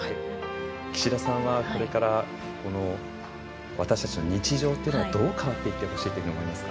岸田さんは、これから私たちの日常はどう変わっていってほしいと思いますか？